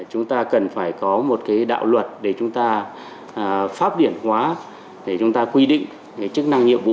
chúng ta cần phải có một đạo luật để chúng ta pháp điển hóa để chúng ta quy định chức năng nhiệm vụ